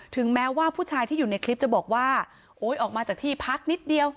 ถึงแม้ว่าผู้ชายที่อยู่ในคลิปจะบอกว่าโอ๊ยออกมาจากที่พักนิดเดียว